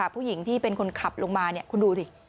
ผู้หญิงที่เป็นคนขับลงมาคุณดูสิ